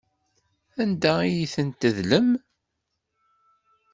Anda ay ten-tedlem?